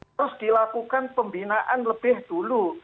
terus dilakukan pembinaan lebih dulu